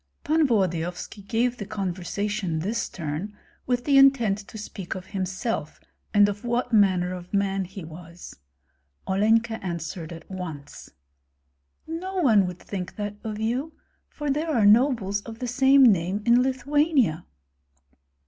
Pan Volodyovski gave the conversation this turn with the intent to speak of himself and of what manner of man he was. Olenka answered at once, "No one would think that of you, for there are nobles of the same name in Lithuania."